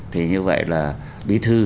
thì như vậy là bí thư